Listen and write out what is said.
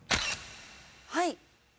はい。